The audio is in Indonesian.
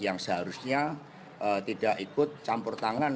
yang seharusnya tidak ikut campur tangan